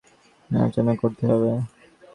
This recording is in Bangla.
এখানে সার্বিকভাবে সব বিষয় আলোচনা করতে হবে।